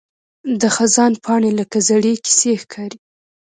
د خزان پاڼې لکه زړې کیسې ښکاري